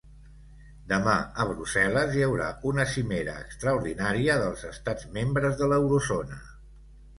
Demà a Brussel·les hi haurà una cimera extraordinària dels estats membres de l’eurozona.